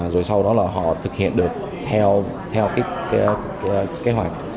rồi sau đó là họ thực hiện được theo cái kế hoạch